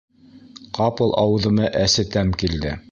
Ҡапыл ауыҙыма әсе тәм килде.